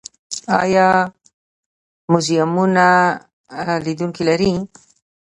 آیا موزیمونه لیدونکي لري؟